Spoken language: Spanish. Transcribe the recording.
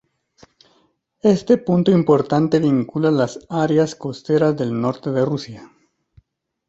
Este punto importante vincula las áreas costeras del norte de Rusia.